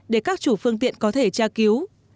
để các chủ phương tiện có thể tra cứu